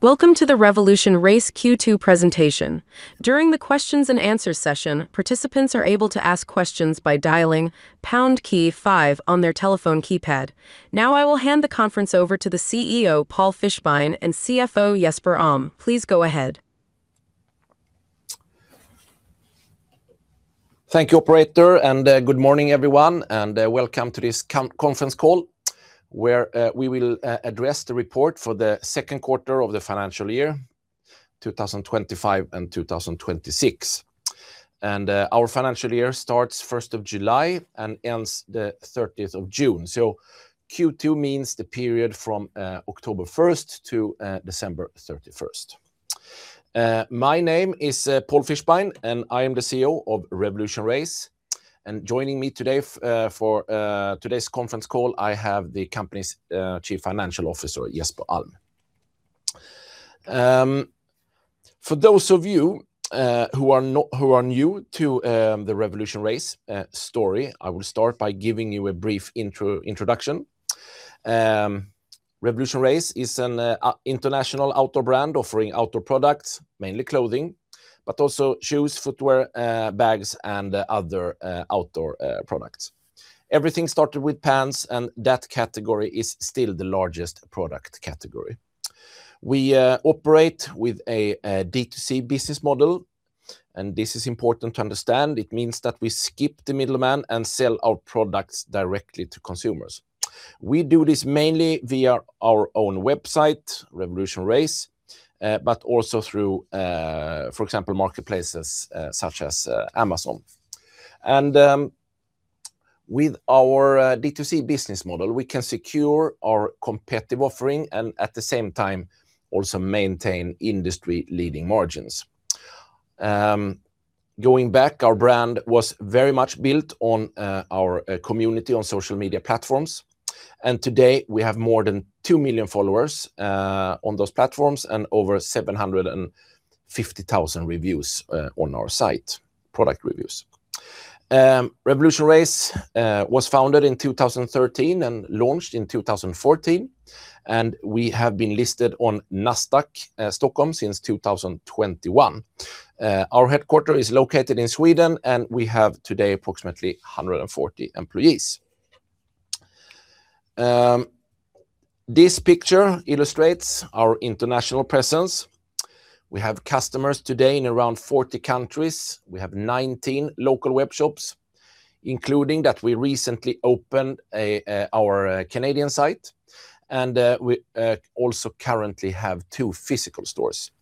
Welcome to the RevolutionRace Q2 presentation. During the Q&A session, participants are able to ask questions by dialing pound key five on their telephone keypad. Now, I will hand the conference over to the CEO Paul Fischbein and CFO Jesper Alm. Please go ahead. Thank you, Operator, and good morning, everyone, and welcome to this conference call where we will address the report for the second quarter of the financial year 2025 and 2026. Our financial year starts 1st July and ends 30th of June. So Q2 means the period from October 1st to December 31st. My name is Paul Fischbein, and I am the CEO of RevolutionRace. Joining me today for today's conference call, I have the company's Chief Financial Officer, Jesper Alm. For those of you who are new to the RevolutionRace story, I will start by giving you a brief introduction. RevolutionRace is an international outdoor brand offering outdoor products, mainly clothing, but also shoes, footwear, bags, and other outdoor products. Everything started with pants, and that category is still the largest product category. We operate with a D2C business model, and this is important to understand. It means that we skip the middleman and sell our products directly to consumers. We do this mainly via our own website, RevolutionRace, but also through, for example, marketplaces such as Amazon. With our D2C business model, we can secure our competitive offering and, at the same time, also maintain industry-leading margins. Going back, our brand was very much built on our community on social media platforms. Today, we have more than 2 million followers on those platforms and over 750,000 reviews on our site, product reviews. RevolutionRace was founded in 2013 and launched in 2014, and we have been listed on Nasdaq Stockholm since 2021. Our headquarters is located in Sweden, and we have today approximately 140 employees. This picture illustrates our international presence. We have customers today in around 40 countries. We have 19 local webshops, including that we recently opened our Canadian site, and we also currently have two physical stores.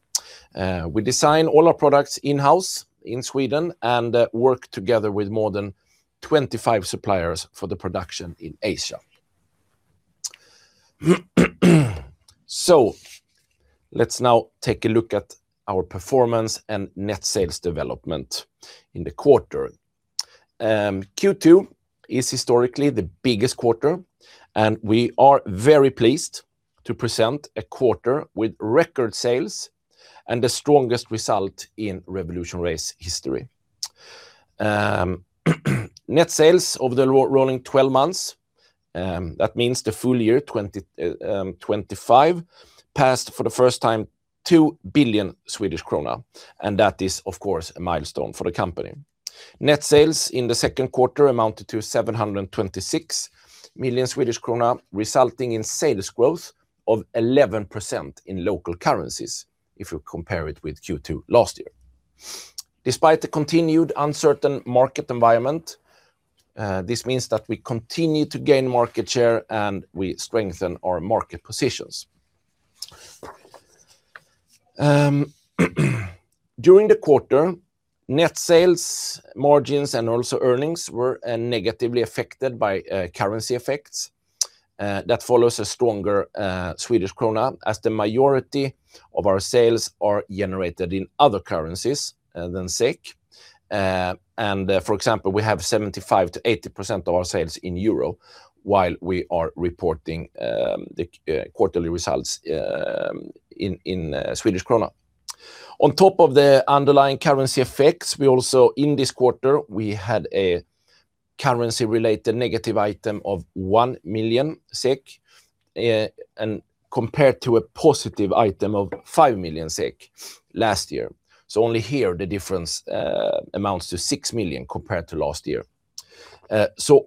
We design all our products in-house in Sweden and work together with more than 25 suppliers for the production in Asia. Let's now take a look at our performance and net sales development in the quarter. Q2 is historically the biggest quarter, and we are very pleased to present a quarter with record sales and the strongest result in RevolutionRace history. Net sales over the rolling 12 months, that means the full-year 2025, passed for the first time 2 billion Swedish krona, and that is, of course, a milestone for the company. Net sales in the second quarter amounted to 726 million Swedish krona, resulting in sales growth of 11% in local currencies if you compare it with Q2 last year. Despite the continued uncertain market environment, this means that we continue to gain market share and we strengthen our market positions. During the quarter, net sales margins and also earnings were negatively affected by currency effects. That follows a stronger Swedish krona as the majority of our sales are generated in other currencies than SEK. For example, we have 75%-80% of our sales in euro while we are reporting the quarterly results in Swedish krona. On top of the underlying currency effects, we also in this quarter, we had a currency-related negative item of 1 million SEK compared to a positive item of 5 million SEK last year. Only here, the difference amounts to 6 million compared to last year.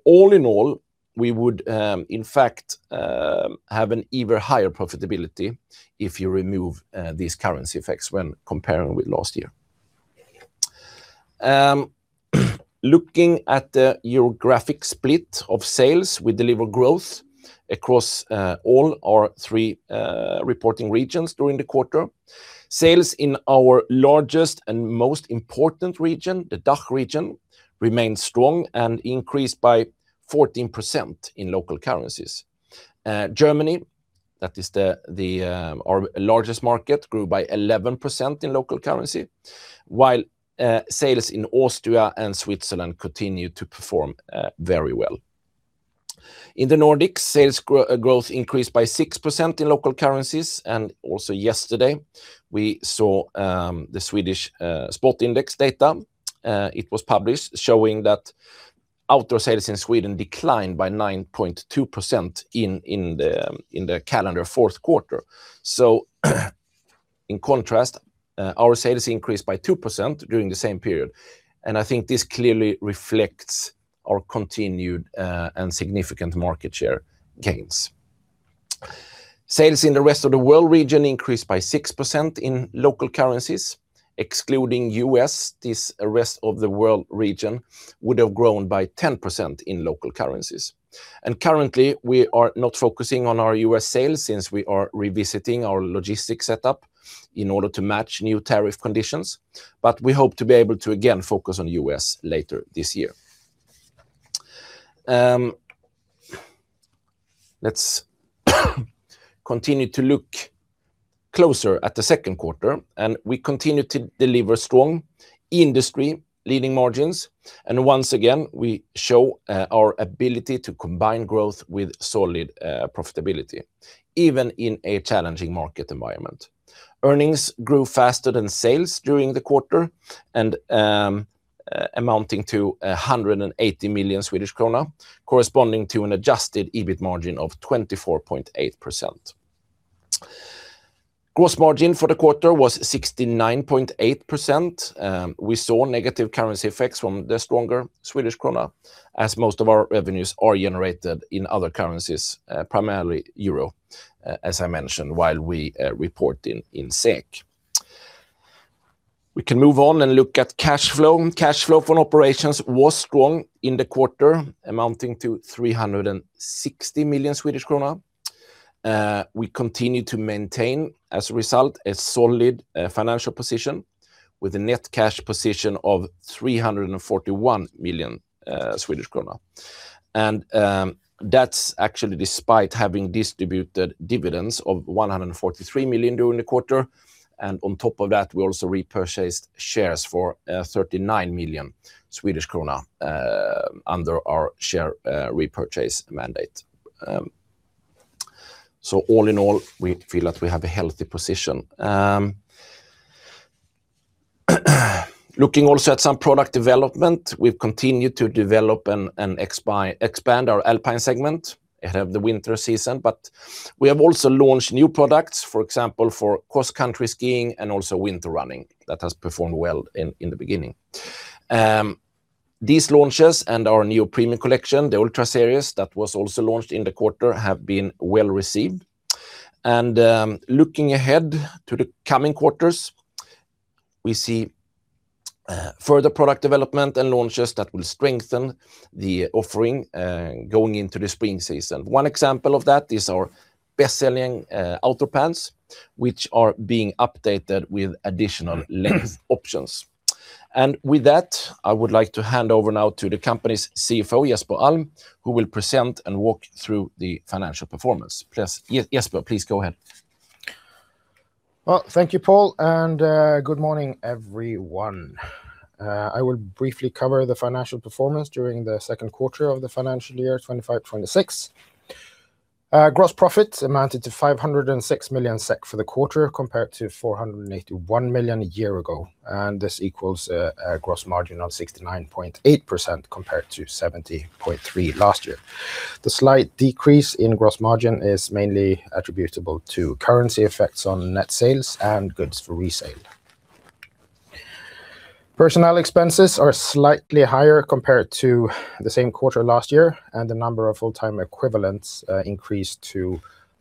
All in all, we would, in fact, have an even higher profitability if you remove these currency effects when comparing with last year. Looking at the geographic split of sales, we deliver growth across all our three reporting regions during the quarter. Sales in our largest and most important region, the DACH region, remained strong and increased by 14% in local currencies. Germany, that is our largest market, grew by 11% in local currency, while sales in Austria and Switzerland continued to perform very well. In the Nordics, sales growth increased by 6% in local currencies. Also yesterday, we saw the Swedish Sportindex. It was published, showing that outdoor sales in Sweden declined by 9.2% in the calendar fourth quarter. In contrast, our sales increased by 2% during the same period. I think this clearly reflects our continued and significant market share gains. Sales in the rest of the world region increased by 6% in local currencies. Excluding U.S., this rest of the world region would have grown by 10% in local currencies. Currently, we are not focusing on our U.S. sales since we are revisiting our logistics setup in order to match new tariff conditions. We hope to be able to again focus on U.S. later this year. Let's continue to look closer at the second quarter. We continue to deliver strong industry-leading margins. Once again, we show our ability to combine growth with solid profitability, even in a challenging market environment. Earnings grew faster than sales during the quarter, amounting to 180 million Swedish krona, corresponding to an adjusted EBIT margin of 24.8%. Gross margin for the quarter was 69.8%. We saw negative currency effects from the stronger Swedish krona, as most of our revenues are generated in other currencies, primarily euro, as I mentioned, while we report in SEK. We can move on and look at cash flow. Cash flow from operations was strong in the quarter, amounting to 360 million Swedish krona. We continue to maintain, as a result, a solid financial position with a net cash position of 341 million Swedish krona. And that's actually despite having distributed dividends of 143 million during the quarter. And on top of that, we also repurchased shares for 39 million Swedish krona under our share repurchase mandate. So all in all, we feel that we have a healthy position. Looking also at some product development, we've continued to develop and expand our Alpine segment ahead of the winter season. But we have also launched new products, for example, for cross-country skiing and also winter running that has performed well in the beginning. These launches and our new premium collection, the Ultra Series, that was also launched in the quarter, have been well received. Looking ahead to the coming quarters, we see further product development and launches that will strengthen the offering going into the spring season. One example of that is our best-selling outdoor pants, which are being updated with additional length options. With that, I would like to hand over now to the company's CFO, Jesper Alm, who will present and walk through the financial performance. Jesper, please go ahead. Well, thank you, Paul. Good morning, everyone. I will briefly cover the financial performance during the second quarter of the financial year 25/26. Gross profit amounted to 506 million SEK for the quarter compared to 481 million a year ago. This equals a gross margin of 69.8% compared to 70.3% last year. The slight decrease in gross margin is mainly attributable to currency effects on net sales and goods for resale. Personnel expenses are slightly higher compared to the same quarter last year, and the number of full-time equivalents increased to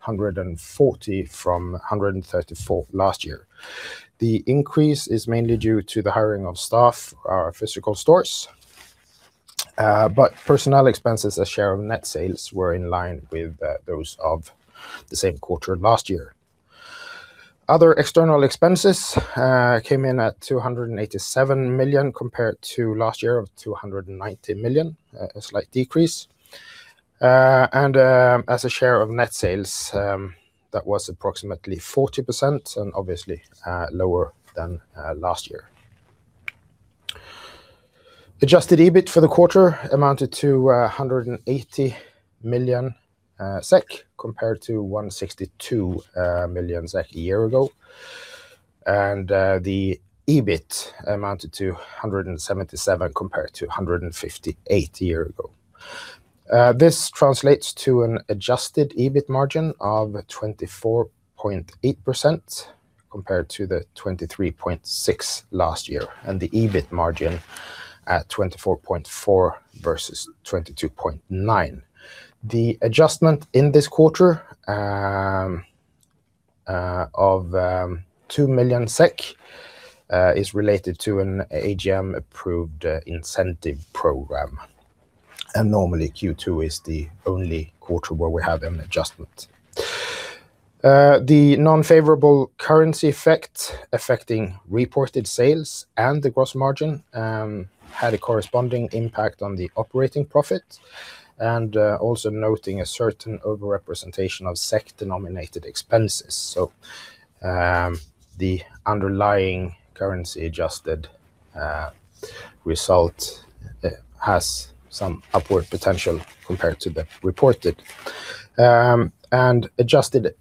140 from 134 last year. The increase is mainly due to the hiring of staff for our physical stores. Personnel expenses, a share of net sales, were in line with those of the same quarter last year. Other external expenses came in at 287 million compared to last year of 290 million, a slight decrease. As a share of net sales, that was approximately 40% and obviously lower than last year. Adjusted EBIT for the quarter amounted to 180 million SEK compared to 162 million SEK a year ago. The EBIT amounted to 177 million compared to 158 million a year ago. This translates to an adjusted EBIT margin of 24.8% compared to the 23.6% last year and the EBIT margin at 24.4% versus 22.9%. The adjustment in this quarter of SEK 2 million is related to an AGM-approved incentive program. And normally, Q2 is the only quarter where we have an adjustment. The non-favorable currency effect affecting reported sales and the gross margin had a corresponding impact on the operating profit and also noting a certain overrepresentation of SEK-denominated expenses. The underlying currency-adjusted result has some upward potential compared to the reported. Adjusted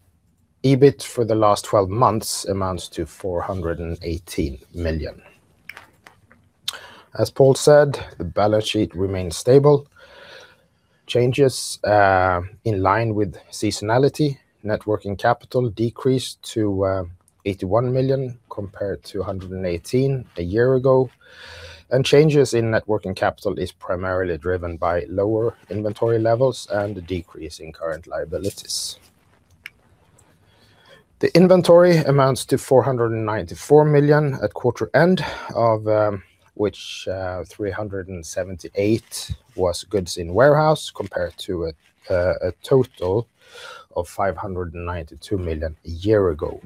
EBIT for the last 12 months amounts to 418 million. As Paul said, the balance sheet remains stable. Changes in line with seasonality. Net working capital decreased to 81 million compared to 118 million a year ago. Changes in net working capital are primarily driven by lower inventory levels and a decrease in current liabilities. The inventory amounts to 494 million at quarter end, of which 378 million was goods in warehouse compared to a total of 592 million a year ago.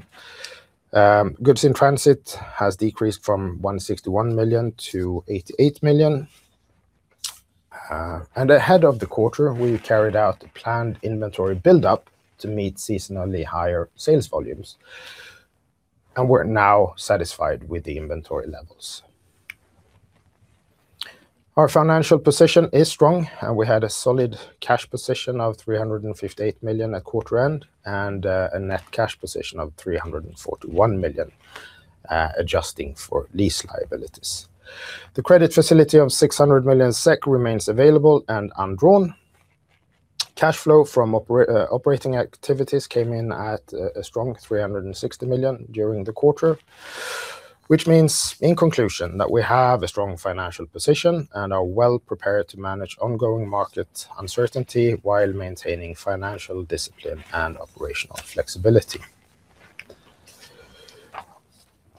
Goods in transit have decreased from 161 million to 88 million. Ahead of the quarter, we carried out a planned inventory build-up to meet seasonally higher sales volumes. We're now satisfied with the inventory levels. Our financial position is strong, and we had a solid cash position of 358 million at quarter end and a net cash position of 341 million, adjusting for lease liabilities. The credit facility of 600 million SEK remains available and undrawn. Cash flow from operating activities came in at a strong 360 million during the quarter, which means, in conclusion, that we have a strong financial position and are well prepared to manage ongoing market uncertainty while maintaining financial discipline and operational flexibility.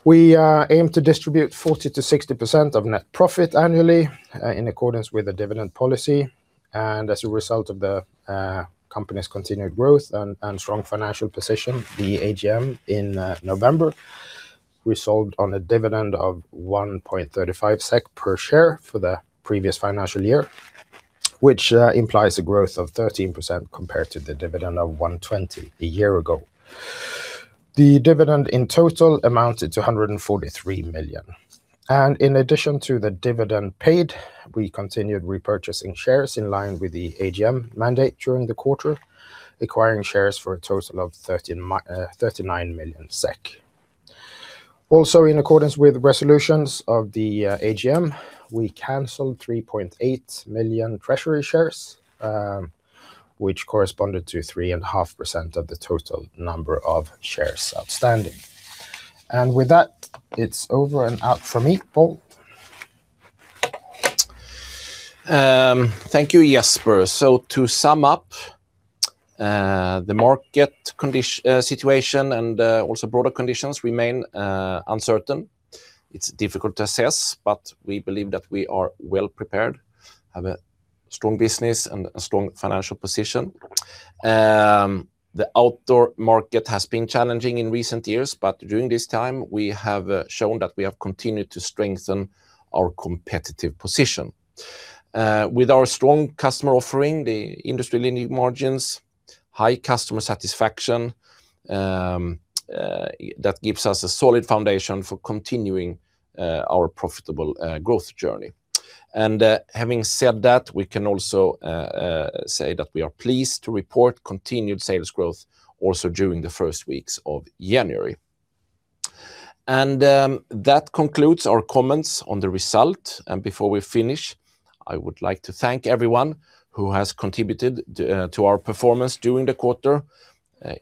We aim to distribute 40%-60% of net profit annually in accordance with the dividend policy. As a result of the company's continued growth and strong financial position, the AGM in November resolved on a dividend of 1.35 SEK per share for the previous financial year, which implies a growth of 13% compared to the dividend of 1.20 a year ago. The dividend in total amounted to 143 million. In addition to the dividend paid, we continued repurchasing shares in line with the AGM mandate during the quarter, acquiring shares for a total of 39 million SEK. Also, in accordance with resolutions of the AGM, we canceled 3.8 million treasury shares, which corresponded to 3.5% of the total number of shares outstanding. With that, it's over and out from me, Paul. Thank you, Jesper. So to sum up, the market situation and also broader conditions remain uncertain. It's difficult to assess, but we believe that we are well prepared, have a strong business and a strong financial position. The outdoor market has been challenging in recent years, but during this time, we have shown that we have continued to strengthen our competitive position. With our strong customer offering, the industry-leading margins, high customer satisfaction, that gives us a solid foundation for continuing our profitable growth journey. And having said that, we can also say that we are pleased to report continued sales growth also during the first weeks of January. That concludes our comments on the result. Before we finish, I would like to thank everyone who has contributed to our performance during the quarter,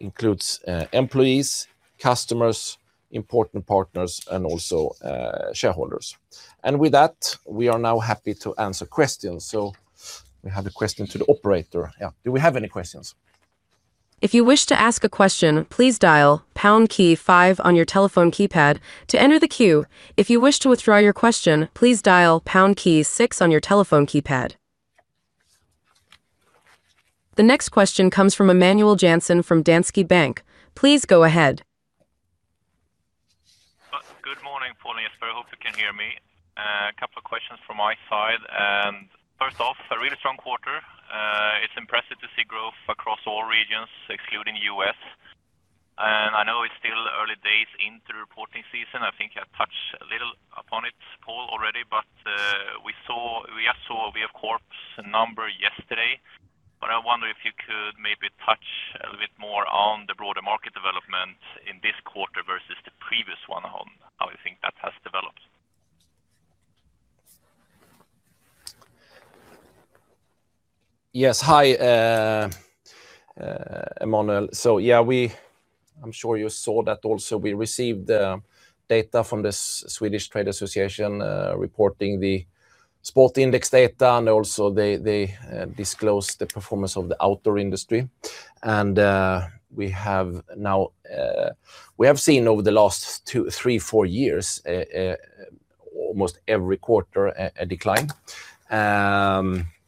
includes employees, customers, important partners, and also shareholders. With that, we are now happy to answer questions. We have a question to the operator. Do we have any questions? If you wish to ask a question, please dial pound key five on your telephone keypad to enter the queue. If you wish to withdraw your question, please dial pound key six on your telephone keypad. The next question comes from Emanuel Jansson from Danske Bank. Please go ahead. Good morning, Paul and Jesper. I hope you can hear me. A couple of questions from my side. First off, a really strong quarter. It's impressive to see growth across all regions, excluding the U.S.. I know it's still early days into reporting season. I think I touched a little upon it, Paul, already. But we have Q4 number yesterday. I wonder if you could maybe touch a little bit more on the broader market development in this quarter versus the previous one, on how you think that has developed. Yes. Hi, Emanuel. So yeah, I'm sure you saw that also. We received data from the Swedish Trade Federation reporting the Sportindex, and also they disclosed the performance of the outdoor industry. And we have now, we have seen over the last three-four years, almost every quarter, a decline.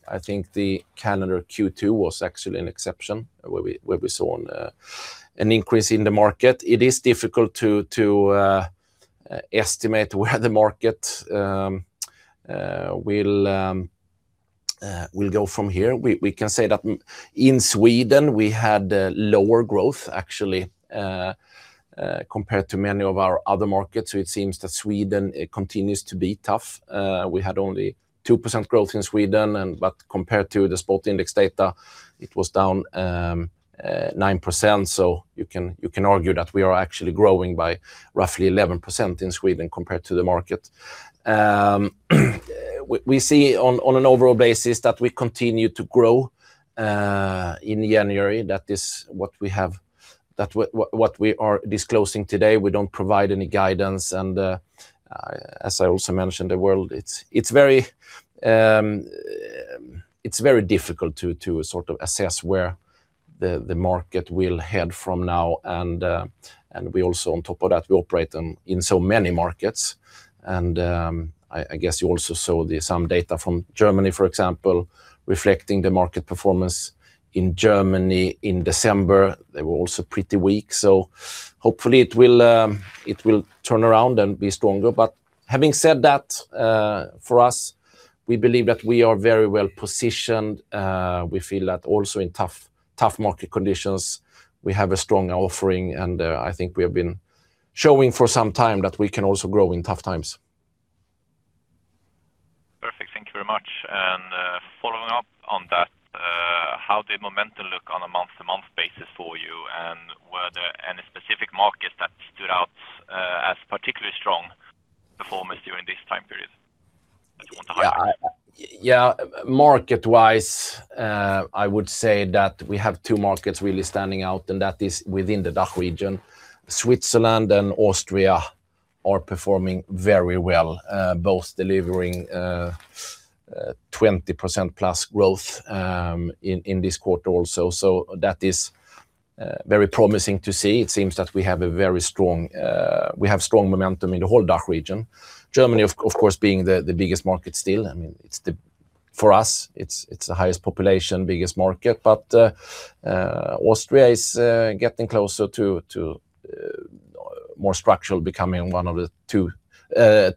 I think the calendar Q2 was actually an exception where we saw an increase in the market. It is difficult to estimate where the market will go from here. We can say that in Sweden, we had lower growth, actually, compared to many of our other markets. So it seems that Sweden continues to be tough. We had only 2% growth in Sweden, but compared to the Sportindex, it was down 9%. So you can argue that we are actually growing by roughly 11% in Sweden compared to the market. We see on an overall basis that we continue to grow in January. That is what we have, that what we are disclosing today. We don't provide any guidance. As I also mentioned, the world, it's very difficult to sort of assess where the market will head from now. We also, on top of that, we operate in so many markets. I guess you also saw some data from Germany, for example, reflecting the market performance in Germany in December. They were also pretty weak. Hopefully it will turn around and be stronger. Having said that, for us, we believe that we are very well positioned. We feel that also in tough market conditions, we have a stronger offering. I think we have been showing for some time that we can also grow in tough times. Perfect. Thank you very much. And following up on that, how did momentum look on a month-to-month basis for you? And were there any specific markets that stood out as particularly strong performance during this time period that you want to highlight? Yeah. Market-wise, I would say that we have two markets really standing out, and that is within the DACH region. Switzerland and Austria are performing very well, both delivering 20%+ growth in this quarter also. So that is very promising to see. It seems that we have a very strong, we have strong momentum in the whole DACH region. Germany, of course, being the biggest market still. I mean, for us, it's the highest population, biggest market. But Austria is getting closer to more structural, becoming one of the two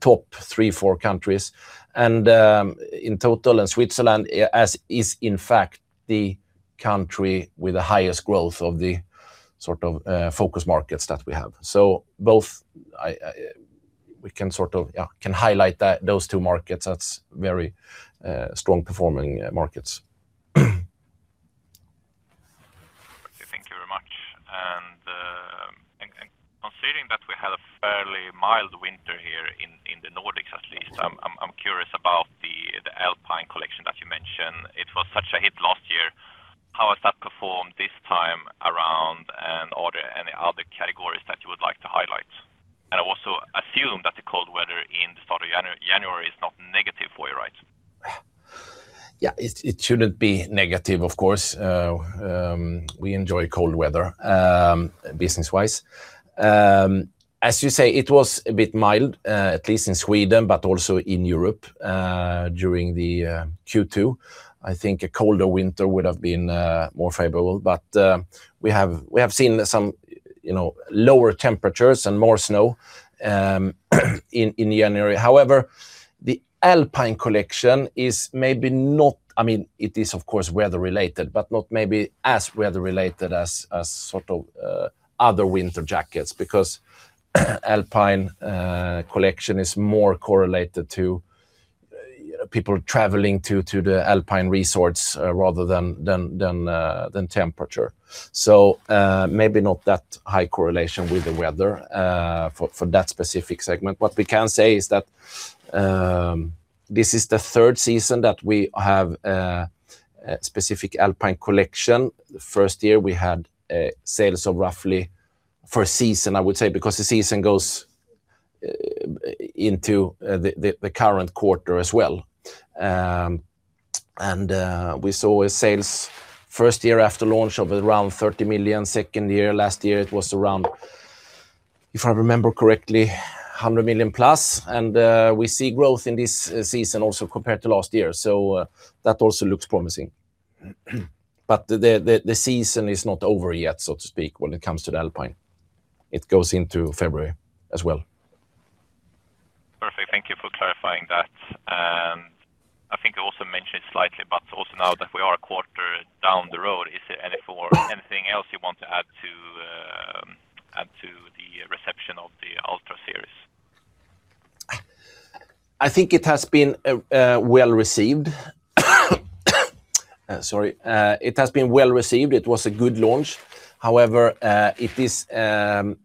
top three, four countries. And in total, Switzerland is in fact the country with the highest growth of the sort of focus markets that we have. So both we can sort of, yeah, can highlight those two markets as very strong performing markets. Thank you very much. Considering that we had a fairly mild winter here in the Nordics, at least, I'm curious about the Alpine Collection that you mentioned. It was such a hit last year. How has that performed this time around and are there any other categories that you would like to highlight? I also assume that the cold weather in the start of January is not negative for you, right? Yeah, it shouldn't be negative, of course. We enjoy cold weather business-wise. As you say, it was a bit mild, at least in Sweden, but also in Europe during the Q2. I think a colder winter would have been more favorable. But we have seen some lower temperatures and more snow in January. However, the Alpine Collection is maybe not, I mean, it is of course weather-related, but not maybe as weather-related as sort of other winter jackets because the Alpine Collection is more correlated to people traveling to the Alpine resorts rather than temperature. So maybe not that high correlation with the weather for that specific segment. What we can say is that this is the third season that we have a specific Alpine Collection. The first year, we had sales of roughly for a season, I would say, because the season goes into the current quarter as well. We saw sales first year after launch of around 30 million. Second year, last year, it was around, if I remember correctly, 100+ million. We see growth in this season also compared to last year. That also looks promising. The season is not over yet, so to speak, when it comes to the Alpine. It goes into February as well. Perfect. Thank you for clarifying that. I think you also mentioned slightly, but also now that we are a quarter down the road, is there anything else you want to add to the reception of the Ultra Series? I think it has been well received. Sorry. It has been well received. It was a good launch. However, it is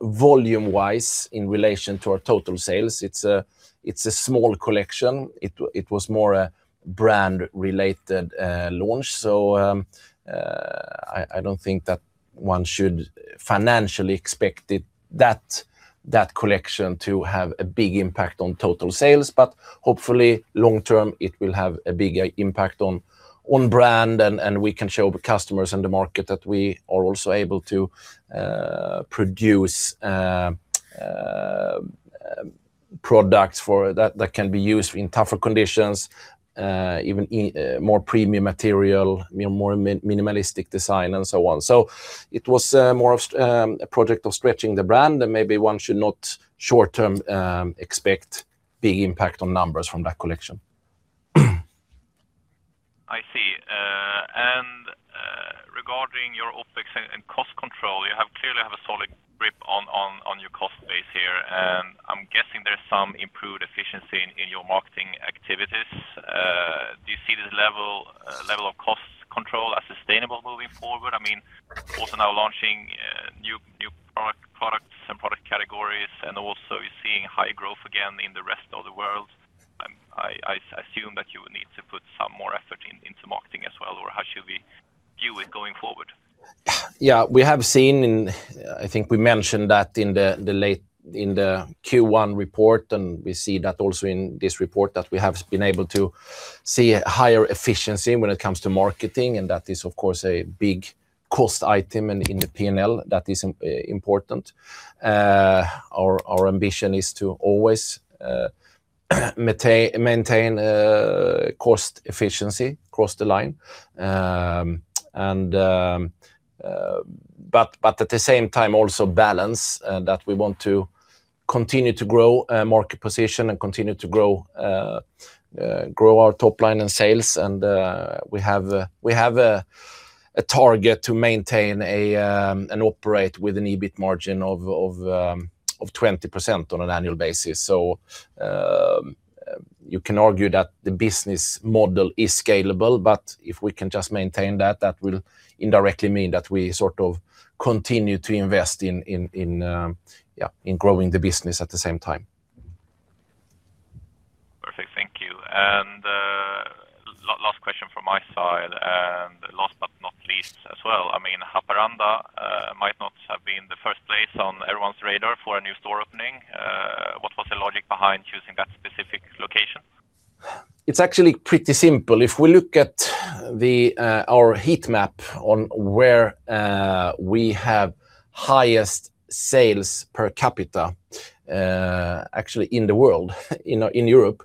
volume-wise in relation to our total sales. It's a small collection. It was more a brand-related launch. So I don't think that one should financially expect that collection to have a big impact on total sales. But hopefully, long-term, it will have a bigger impact on brand. And we can show customers and the market that we are also able to produce products that can be used in tougher conditions, even more premium material, more minimalistic design, and so on. So it was more of a project of stretching the brand. And maybe one should not short-term expect a big impact on numbers from that collection. I see. Regarding your OpEx and cost control, you clearly have a solid grip on your cost base here. I'm guessing there's some improved efficiency in your marketing activities. Do you see this level of cost control as sustainable moving forward? I mean, also now launching new products and product categories, and also you're seeing high growth again in the rest of the world. I assume that you would need to put some more effort into marketing as well. Or how should we view it going forward? Yeah, we have seen, and I think we mentioned that in the Q1 report, and we see that also in this report that we have been able to see higher efficiency when it comes to marketing. That is, of course, a big cost item in the P&L that is important. Our ambition is to always maintain cost efficiency across the line. But at the same time, also balance that we want to continue to grow market position and continue to grow our top line and sales. We have a target to maintain and operate with an EBIT margin of 20% on an annual basis. So you can argue that the business model is scalable, but if we can just maintain that, that will indirectly mean that we sort of continue to invest in growing the business at the same time. Perfect. Thank you. Last question from my side. Last but not least as well, I mean, Haparanda might not have been the first place on everyone's radar for a new store opening. What was the logic behind choosing that specific location? It's actually pretty simple. If we look at our heat map on where we have highest sales per capita, actually in the world, in Europe,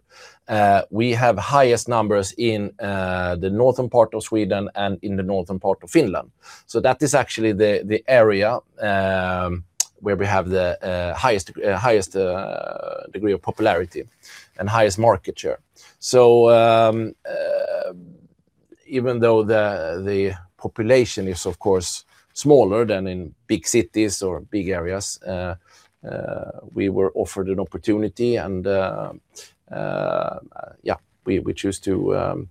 we have highest numbers in the northern part of Sweden and in the northern part of Finland. So that is actually the area where we have the highest degree of popularity and highest market share. So even though the population is, of course, smaller than in big cities or big areas, we were offered an opportunity. And yeah, we chose to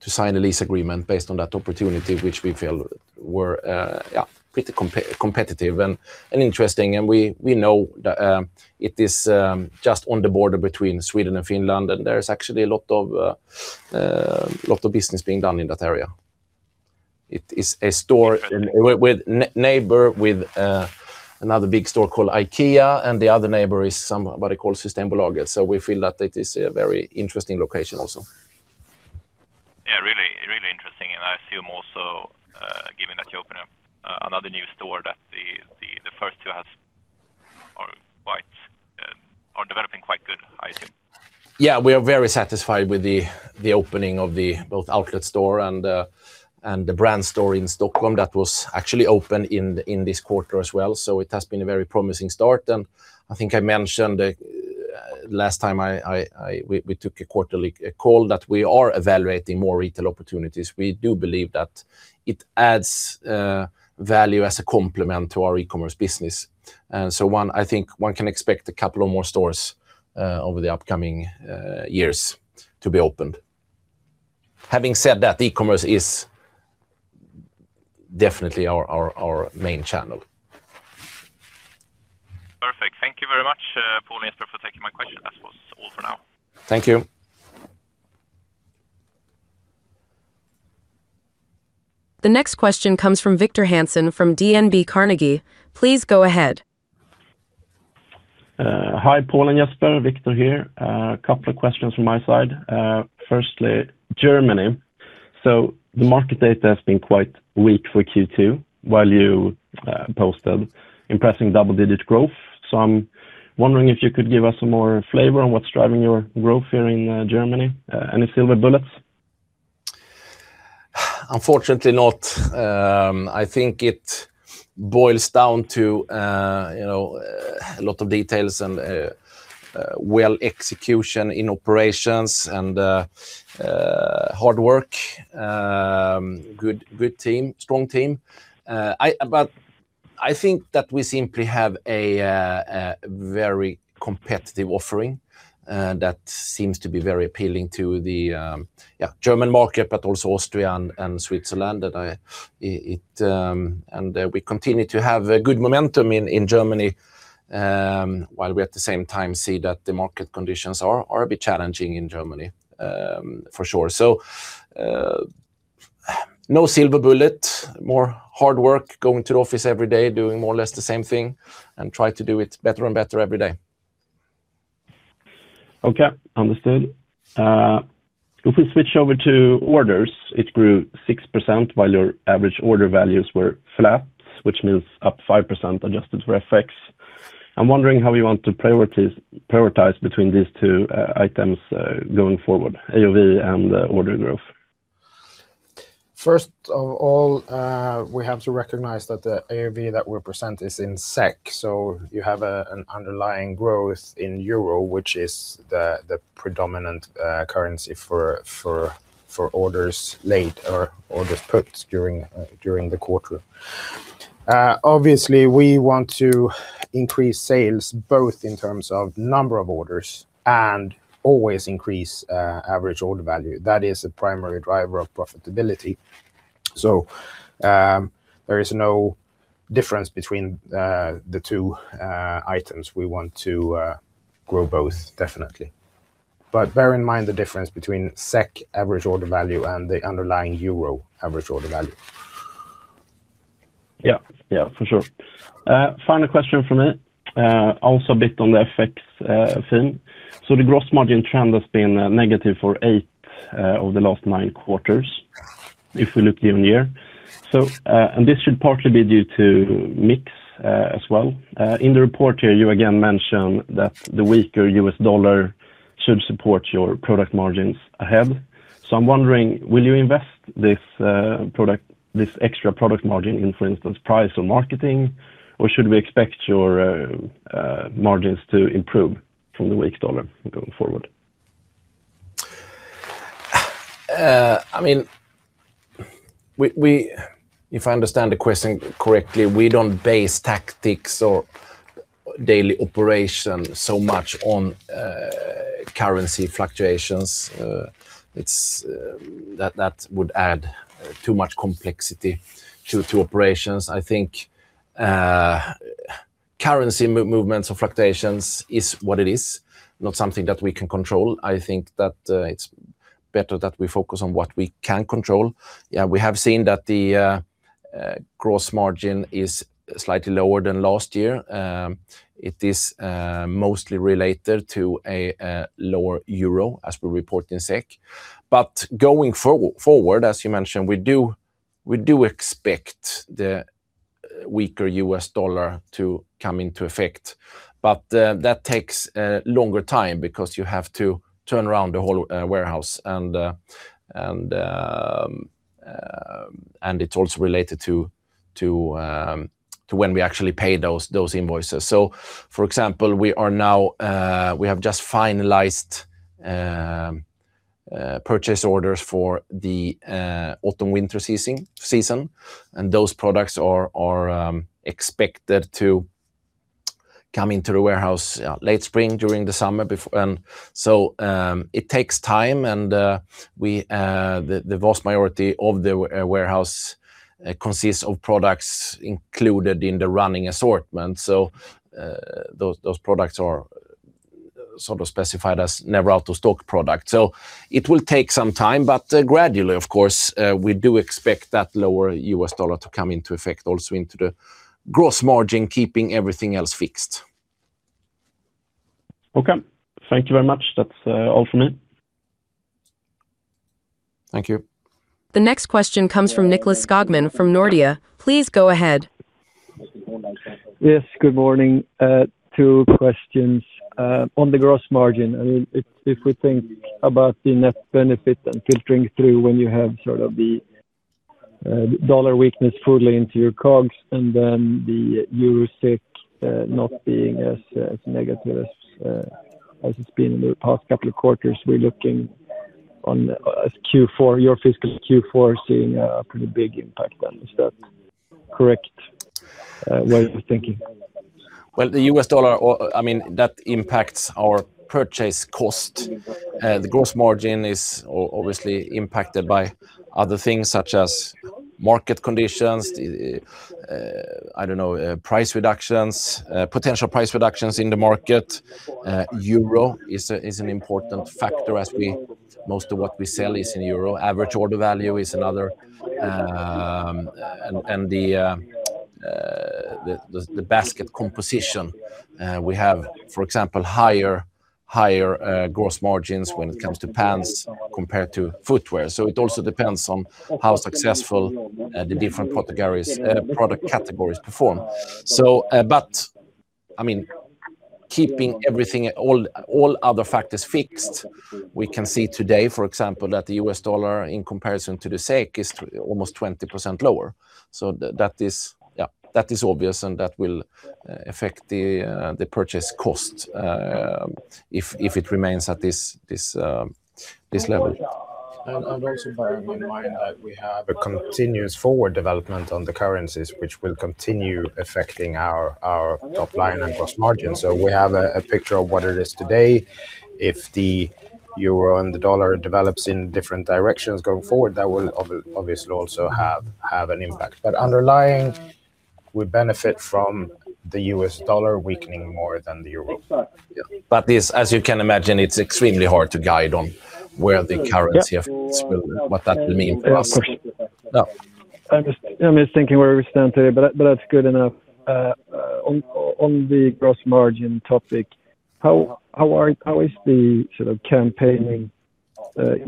sign a lease agreement based on that opportunity, which we felt were pretty competitive and interesting. And we know that it is just on the border between Sweden and Finland. And there is actually a lot of business being done in that area. It is a store neighbor with another big store called IKEA, and the other neighbor is somebody called Systembolaget. We feel that it is a very interesting location also. Yeah, really, really interesting. And I assume also, given that you opened up another new store, that the first two are developing quite good, I assume. Yeah, we are very satisfied with the opening of both the outlet store and the brand store in Stockholm that was actually open in this quarter as well. So it has been a very promising start. And I think I mentioned last time we took a quarterly call that we are evaluating more retail opportunities. We do believe that it adds value as a complement to our e-commerce business. And so I think one can expect a couple of more stores over the upcoming years to be opened. Having said that, e-commerce is definitely our main channel. Perfect. Thank you very much, Paul, Jesper, for taking my question. That was all for now. Thank you. The next question comes from Victor Hansen from Carnegie Investment Bank. Please go ahead. Hi, Paul and Jesper. Victor here. A couple of questions from my side. Firstly, Germany. So the market data has been quite weak for Q2 while you posted impressive double-digit growth. So I'm wondering if you could give us some more flavor on what's driving your growth here in Germany. Any silver bullets? Unfortunately, not. I think it boils down to a lot of details and well execution in operations and hard work. Good team, strong team. But I think that we simply have a very competitive offering that seems to be very appealing to the German market, but also Austria and Switzerland. And we continue to have good momentum in Germany while we at the same time see that the market conditions are a bit challenging in Germany for sure. So no silver bullet, more hard work, going to the office every day, doing more or less the same thing, and try to do it better and better every day. Okay, understood. If we switch over to orders, it grew 6% while your average order values were flat, which means up 5% adjusted for FX. I'm wondering how you want to prioritize between these two items going forward, AOV and order growth. First of all, we have to recognize that the AOV that we present is in SEK. So you have an underlying growth in euro, which is the predominant currency for orders placed during the quarter. Obviously, we want to increase sales both in terms of number of orders and always increase average order value. That is a primary driver of profitability. So there is no difference between the two items. We want to grow both, definitely. But bear in mind the difference between SEK average order value and the underlying euro average order value. Yeah, yeah, for sure. Final question from me. Also a bit on the FX thing. So the gross margin trend has been negative for eight of the last nine quarters if we look year-on-year. And this should partly be due to mix as well. In the report here, you again mentioned that the weaker US dollar should support your product margins ahead. So I'm wondering, will you invest this extra product margin in, for instance, price or marketing, or should we expect your margins to improve from the weak dollar going forward? I mean, if I understand the question correctly, we don't base tactics or daily operations so much on currency fluctuations. That would add too much complexity to operations. I think currency movements or fluctuations is what it is, not something that we can control. I think that it's better that we focus on what we can control. Yeah, we have seen that the gross margin is slightly lower than last year. It is mostly related to a lower euro as we report in SEK. But going forward, as you mentioned, we do expect the weaker U.S. dollar to come into effect. But that takes longer time because you have to turn around the whole warehouse. And it's also related to when we actually pay those invoices. So, for example, we have just finalized purchase orders for the autumn-winter season. Those products are expected to come into the warehouse late spring during the summer. So it takes time. The vast majority of the warehouse consists of products included in the running assortment. So those products are sort of specified as never-out-of-stock products. It will take some time, but gradually, of course, we do expect that lower U.S. dollar to come into effect also into the gross margin, keeping everything else fixed. Okay. Thank you very much. That's all for me. Thank you. The next question comes from Nicklas Skogman from Nordea. Please go ahead. Yes, good morning. Two questions on the gross margin. If we think about the net benefit and filtering through when you have sort of the dollar weakness fully into your COGS and then the euro SEK not being as negative as it's been in the past couple of quarters, we're looking on your fiscal Q4 seeing a pretty big impact on this. Is that correct? What are you thinking? Well, the U.S. dollar, I mean, that impacts our purchase cost. The gross margin is obviously impacted by other things such as market conditions, I don't know, potential price reductions in the market. Euro is an important factor as most of what we sell is in euro. Average order value is another. And the basket composition, we have, for example, higher gross margins when it comes to pants compared to footwear. So it also depends on how successful the different product categories perform. But I mean, keeping all other factors fixed, we can see today, for example, that the U.S. dollar in comparison to the SEK is almost 20% lower. So that is obvious, and that will affect the purchase cost if it remains at this level. And also bear in mind that we have a continuous forward development on the currencies, which will continue affecting our top line and gross margin. So we have a picture of what it is today. If the euro and the dollar develops in different directions going forward, that will obviously also have an impact. But underlying, we benefit from the U.S. dollar weakening more than the euro. As you can imagine, it's extremely hard to guide on where the currency of what that will mean for us. I'm just thinking where we stand today, but that's good enough. On the gross margin topic, how is the sort of campaigning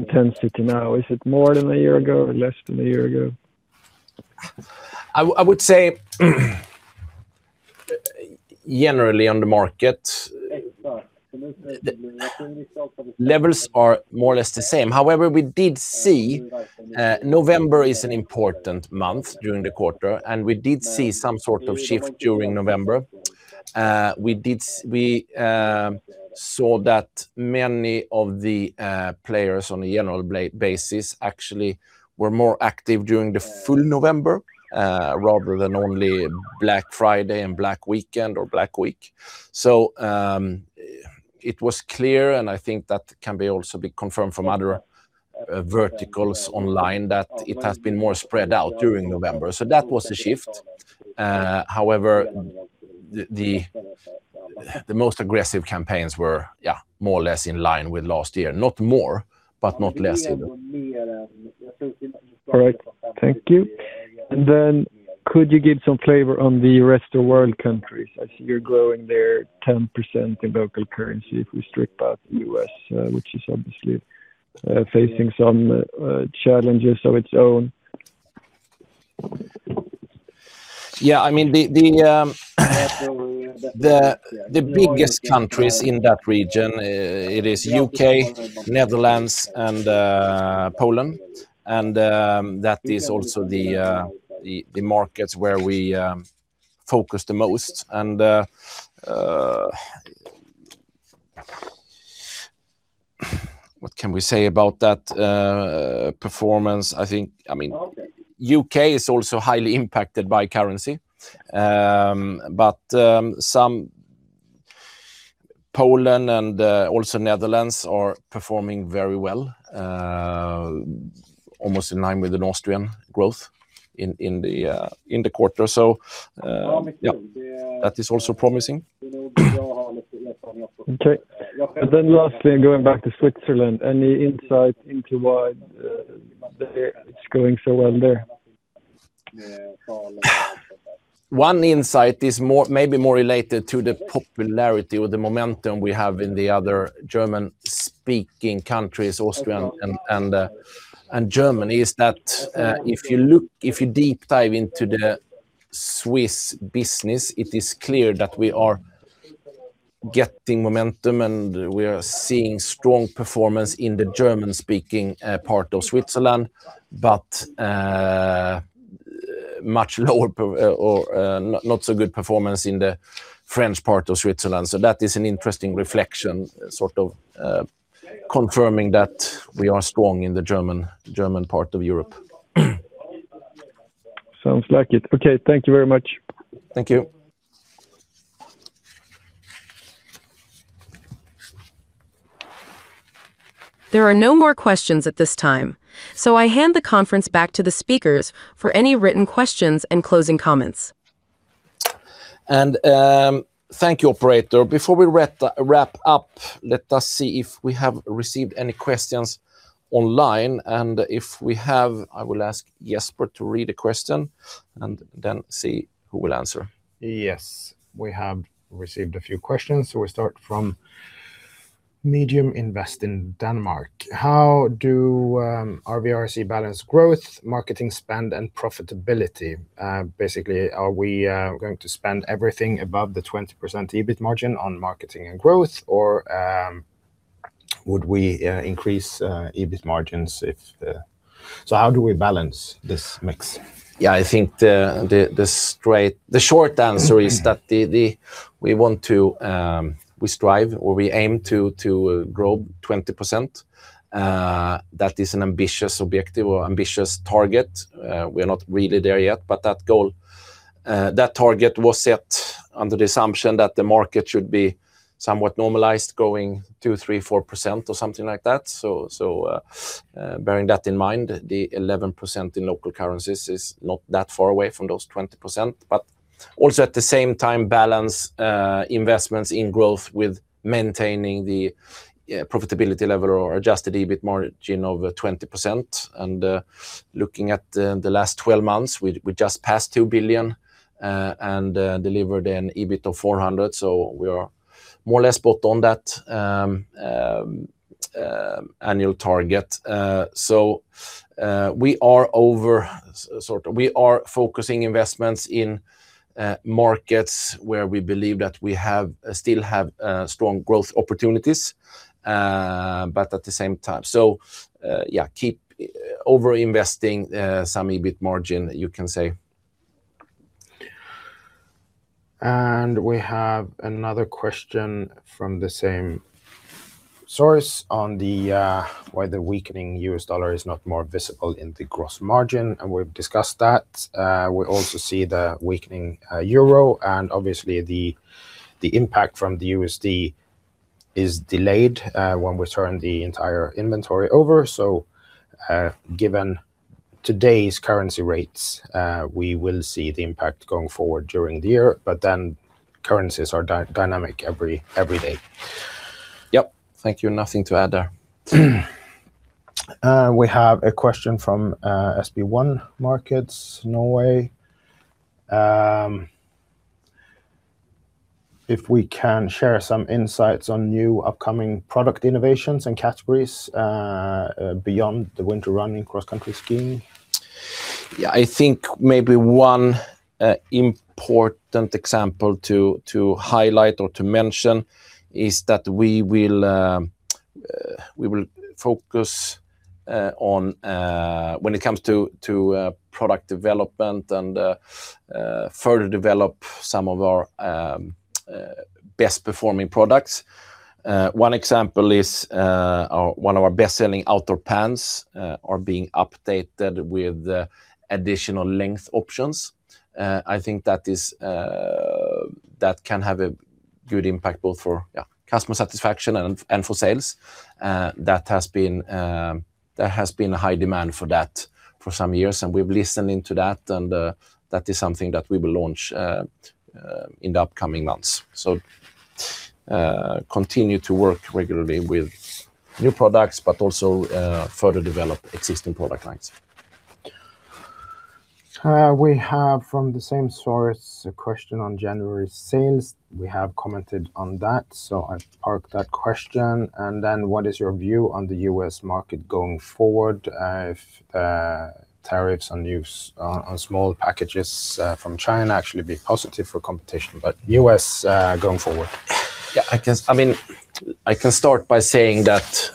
intensity now? Is it more than a year ago or less than a year ago? I would say generally on the market, levels are more or less the same. However, we did see November is an important month during the quarter, and we did see some sort of shift during November. We saw that many of the players on a general basis actually were more active during the full November rather than only Black Friday and Black Weekend or Black Week. So it was clear, and I think that can be also confirmed from other verticals online, that it has been more spread out during November. So that was a shift. However, the most aggressive campaigns were more or less in line with last year. Not more, but not less. Correct. Thank you. Then could you give some flavor on the rest of the world countries? I see you're growing there 10% in local currency if we strip out the U.S., which is obviously facing some challenges of its own. Yeah, I mean, the biggest countries in that region, it is U.K., Netherlands, and Poland. That is also the markets where we focus the most. What can we say about that performance? I think, I mean, U.K. is also highly impacted by currency. But Poland and also Netherlands are performing very well, almost in line with the Austrian growth in the quarter. That is also promising. And then lastly, going back to Switzerland, any insight into why it's going so well there? One insight is maybe more related to the popularity or the momentum we have in the other German-speaking countries, Austria and Germany, is that if you deep dive into the Swiss business, it is clear that we are getting momentum and we are seeing strong performance in the German-speaking part of Switzerland, but much lower or not so good performance in the French part of Switzerland. So that is an interesting reflection, sort of confirming that we are strong in the German part of Europe. Sounds like it. Okay, thank you very much. Thank you. There are no more questions at this time. So I hand the conference back to the speakers for any written questions and closing comments. Thank you, operator. Before we wrap up, let us see if we have received any questions online. If we have, I will ask Jesper to read a question and then see who will answer. Yes, we have received a few questions. We'll start from Medium Invest in Denmark. How do RVRC balance growth, marketing spend, and profitability? Basically, are we going to spend everything above the 20% EBIT margin on marketing and growth, or would we increase EBIT margins? How do we balance this mix? Yeah, I think the short answer is that we want to, we strive or we aim to grow 20%. That is an ambitious objective or ambitious target. We are not really there yet, but that goal, that target was set under the assumption that the market should be somewhat normalized going 2%-4% or something like that. So bearing that in mind, the 11% in local currencies is not that far away from those 20%. But also at the same time, balance investments in growth with maintaining the profitability level or adjusted EBIT margin of 20%. And looking at the last 12 months, we just passed 2 billion and delivered an EBIT of 400 million. So we are more or less both on that annual target. So we are over, sort of. We are focusing investments in markets where we believe that we still have strong growth opportunities, but at the same time. So yeah, keep over-investing some EBIT margin, you can say. We have another question from the same source on why the weakening US dollar is not more visible in the gross margin. We've discussed that. We also see the weakening euro. Obviously, the impact from the USD is delayed when we turn the entire inventory over. Given today's currency rates, we will see the impact going forward during the year. But then currencies are dynamic every day. Yep. Thank you. Nothing to add there. We have a question from SB1 Markets, Norway. If we can share some insights on new upcoming product innovations and categories beyond the winter running cross-country skiing. Yeah, I think maybe one important example to highlight or to mention is that we will focus on when it comes to product development and further develop some of our best-performing products. One example is one of our best-selling outdoor pants are being updated with additional length options. I think that can have a good impact both for customer satisfaction and for sales. That has been a high demand for that for some years. And we've listened into that. And that is something that we will launch in the upcoming months. So continue to work regularly with new products, but also further develop existing product lines. We have from the same source a question on January sales. We have commented on that. I've parked that question. Then what is your view on the U.S. market going forward if tariffs on small packages from China actually be positive for competition? But U.S. going forward. Yeah, I can start by saying that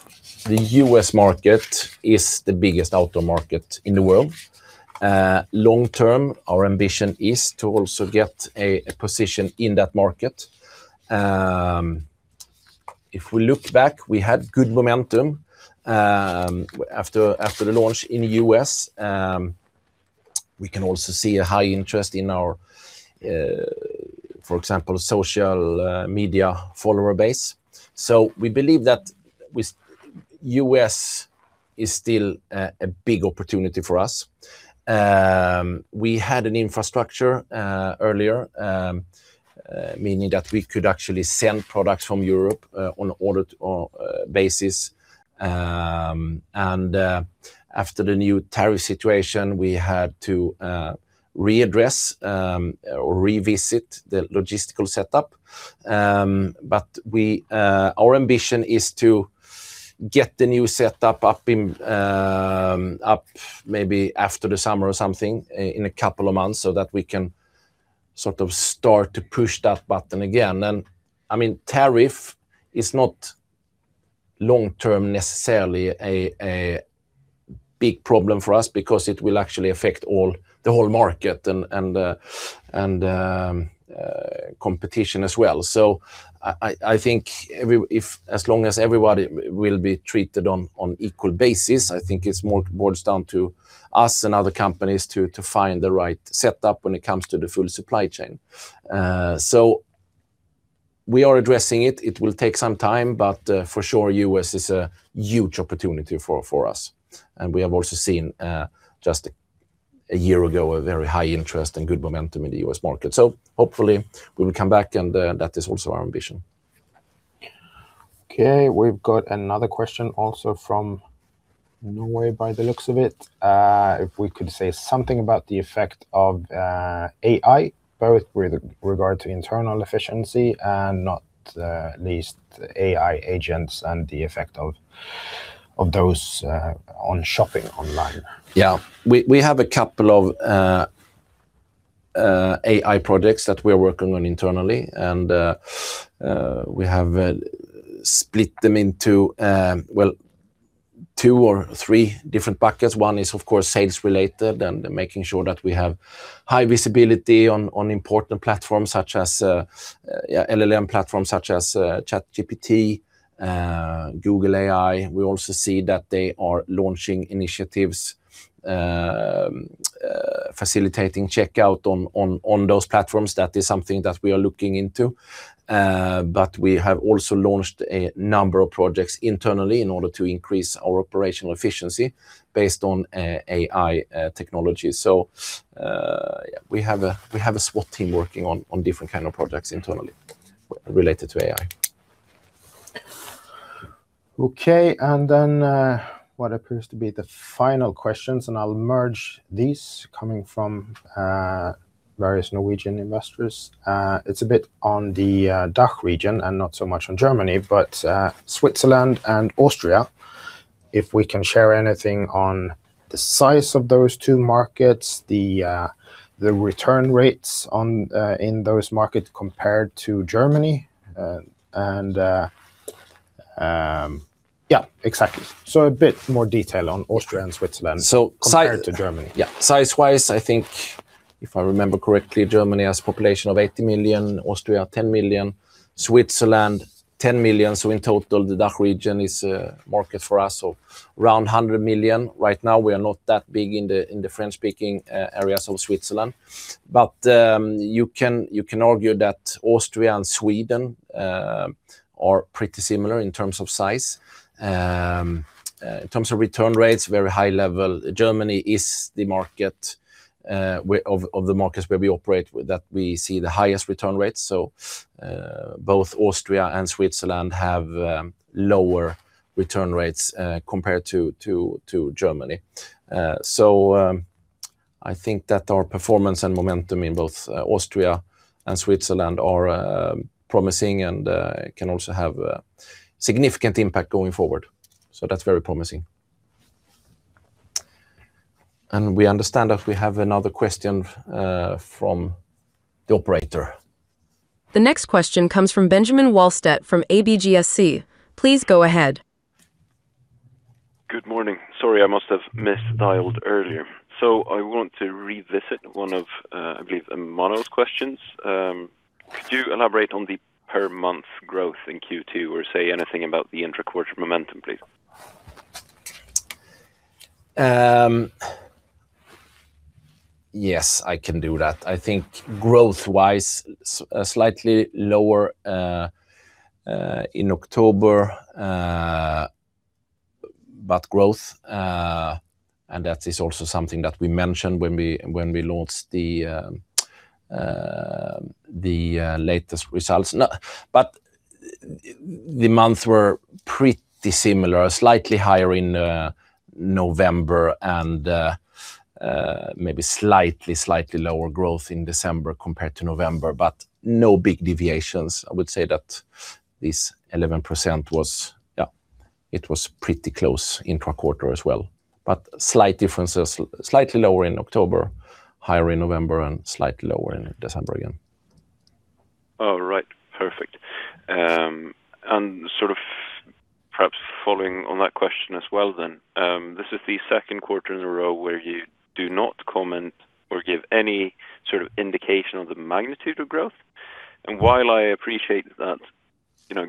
the U.S. market is the biggest outdoor market in the world. Long-term, our ambition is to also get a position in that market. If we look back, we had good momentum after the launch in the U.S.. We can also see a high interest in our, for example, social media follower base. So we believe that U.S. is still a big opportunity for us. We had an infrastructure earlier, meaning that we could actually send products from Europe on order basis. And after the new tariff situation, we had to readdress or revisit the logistical setup. But our ambition is to get the new setup up maybe after the summer or something in a couple of months so that we can sort of start to push that button again. And I mean, tariff is not long-term necessarily a big problem for us because it will actually affect the whole market and competition as well. So I think as long as everybody will be treated on an equal basis, I think it's more boils down to us and other companies to find the right setup when it comes to the full supply chain. So we are addressing it. It will take some time, but for sure, U.S. is a huge opportunity for us. And we have also seen just a year ago a very high interest and good momentum in the U.S. market. So hopefully we will come back, and that is also our ambition. Okay. We've got another question also from Norway by the looks of it. If we could say something about the effect of AI, both with regard to internal efficiency and not least AI agents and the effect of those on shopping online. Yeah. We have a couple of AI projects that we are working on internally, and we have split them into, well, two or three different buckets. One is, of course, sales related and making sure that we have high visibility on important platforms such as LLM platforms such as ChatGPT, Google AI. We also see that they are launching initiatives facilitating checkout on those platforms. That is something that we are looking into. But we have also launched a number of projects internally in order to increase our operational efficiency based on AI technology. So we have a SWAT team working on different kinds of projects internally related to AI. Okay. And then what appears to be the final questions, and I'll merge these coming from various Norwegian investors. It's a bit on the DACH region and not so much on Germany, but Switzerland and Austria. If we can share anything on the size of those two markets, the return rates in those markets compared to Germany. And yeah, exactly. So a bit more detail on Austria and Switzerland compared to Germany. Yeah. Size-wise, I think, if I remember correctly, Germany has a population of 80 million, Austria 10 million, Switzerland 10 million. So in total, the DACH region is a market for us of around 100 million. Right now, we are not that big in the French-speaking areas of Switzerland. But you can argue that Austria and Sweden are pretty similar in terms of size. In terms of return rates, very high level. Germany is the market of the markets where we operate that we see the highest return rates. So both Austria and Switzerland have lower return rates compared to Germany. So I think that our performance and momentum in both Austria and Switzerland are promising and can also have a significant impact going forward. So that's very promising. And we understand that we have another question from the operator. The next question comes from Benjamin Wahlstedt from ABGSC. Please go ahead. Good morning. Sorry, I must have misdialed earlier. I want to revisit one of, I believe, Emanuel's questions. Could you elaborate on the per-month growth in Q2 or say anything about the intra-quarter momentum, please? Yes, I can do that. I think growth-wise, slightly lower in October, but growth. And that is also something that we mentioned when we launched the latest results. But the months were pretty similar, slightly higher in November and maybe slightly, slightly lower growth in December compared to November, but no big deviations. I would say that this 11% was, yeah, it was pretty close intra-quarter as well. But slight differences, slightly lower in October, higher in November, and slightly lower in December again. All right. Perfect. Sort of perhaps following on that question as well then, this is the second quarter in a row where you do not comment or give any sort of indication of the magnitude of growth. While I appreciate that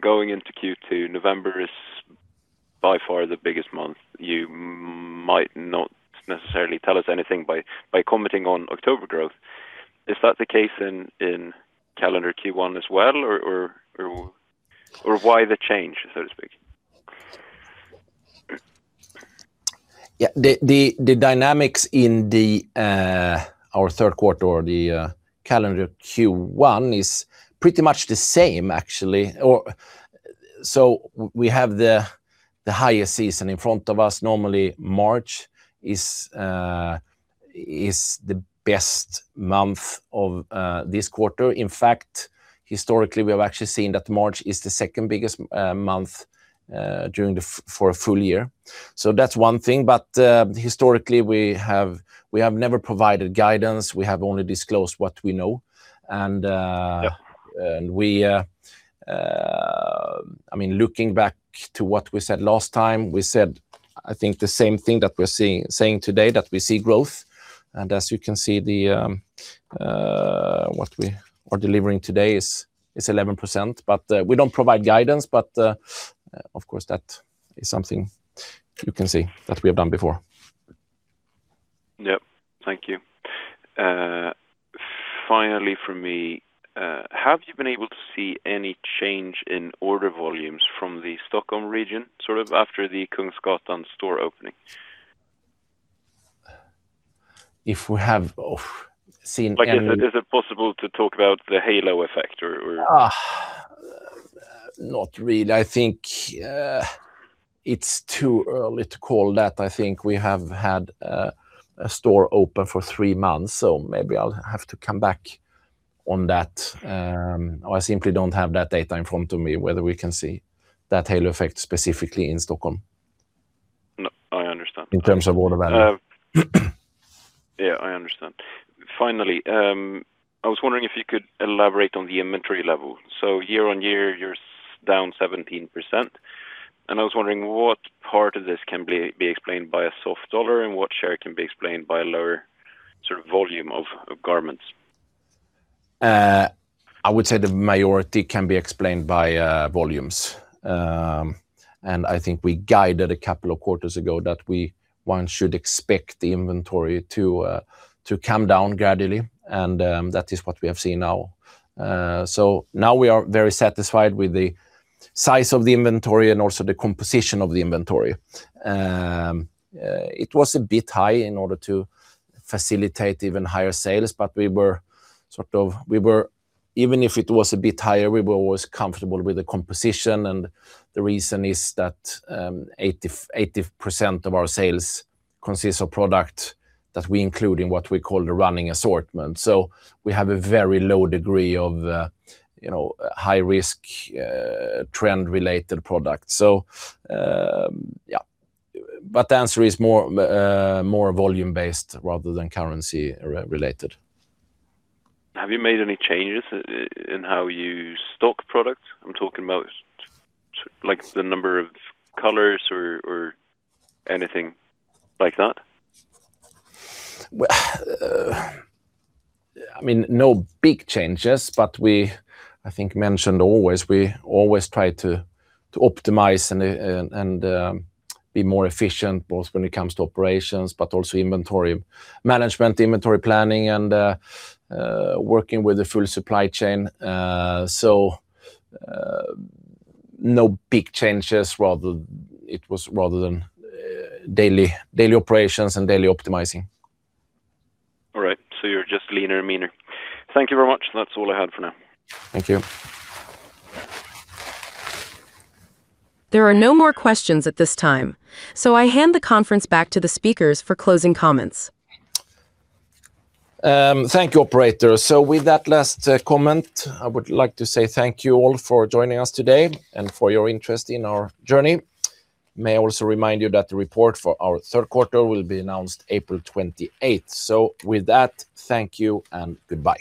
going into Q2, November is by far the biggest month, you might not necessarily tell us anything by commenting on October growth. Is that the case in calendar Q1 as well, or why the change, so to speak? Yeah. The dynamics in our third quarter, or the calendar Q1, is pretty much the same, actually. So we have the highest season in front of us. Normally, March is the best month of this quarter. In fact, historically, we have actually seen that March is the second biggest month for a full year. So that's one thing. But historically, we have never provided guidance. We have only disclosed what we know. And I mean, looking back to what we said last time, we said, I think, the same thing that we're saying today, that we see growth. And as you can see, what we are delivering today is 11%. But we don't provide guidance, but of course, that is something you can see that we have done before. Yep. Thank you. Finally, for me, have you been able to see any change in order volumes from the Stockholm region sort of after the Kungsgatan store opening? If we have seen any? Is it possible to talk about the halo effect or? Not really. I think it's too early to call that. I think we have had a store open for three months. So maybe I'll have to come back on that. I simply don't have that data in front of me whether we can see that halo effect specifically in Stockholm. I understand. In terms of order value. Yeah, I understand. Finally, I was wondering if you could elaborate on the inventory level. Year-over-year, you're down 17%. And I was wondering what part of this can be explained by a soft dollar and what share can be explained by a lower sort of volume of garments? I would say the majority can be explained by volumes. And I think we guided a couple of quarters ago that we should expect the inventory to come down gradually. And that is what we have seen now. So now we are very satisfied with the size of the inventory and also the composition of the inventory. It was a bit high in order to facilitate even higher sales, but we were sort of, even if it was a bit higher, we were always comfortable with the composition. And the reason is that 80% of our sales consists of products that we include in what we call the running assortment. So we have a very low degree of high-risk trend-related products. So yeah, but the answer is more volume-based rather than currency-related. Have you made any changes in how you stock products? I'm talking about the number of colors or anything like that. I mean, no big changes, but I think mentioned always, we always try to optimize and be more efficient both when it comes to operations, but also inventory management, inventory planning, and working with the full supply chain. So no big changes, rather than daily operations and daily optimizing. All right. So you're just leaner and meaner. Thank you very much. That's all I had for now. Thank you. There are no more questions at this time. So I hand the conference back to the speakers for closing comments. Thank you, operators. So with that last comment, I would like to say thank you all for joining us today and for your interest in our journey. May I also remind you that the report for our third quarter will be announced April 28th. So with that, thank you and goodbye.